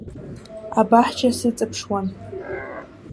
Абаҳча сыҵаԥшуан.